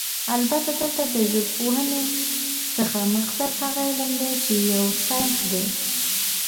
البته دلته له ژبپوهنې څخه مقصد هغه علم دی چې يو ساينس دی